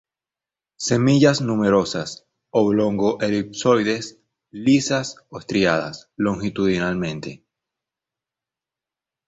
Semillas numerosas, oblongo-elipsoides, lisas o estriadas longitudinalmente.